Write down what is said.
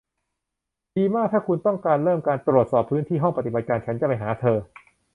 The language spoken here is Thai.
ดีมากถ้าคุณต้องการเริ่มการตรวจสอบพื้นที่ห้องปฏิบัติการฉันจะไปหาเธอ